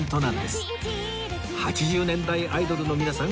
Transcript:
８０年代アイドルの皆さん